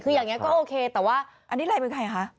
คืออย่างนี้ก็โอเคแต่ว่าอันนี้อะไรเป็นใครคะ